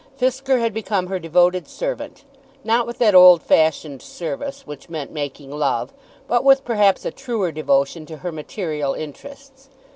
Fisker had become her devoted servant, not with that old fashioned service which meant making love, but with perhaps a truer devotion to her material interests.